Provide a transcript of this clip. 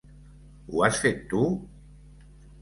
Ho has fet tu?